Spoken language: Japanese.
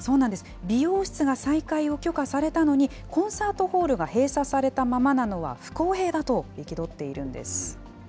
美容室が再開を許可されたのに、コンサートホールが閉鎖されたままなのは不公平だと憤っているんです。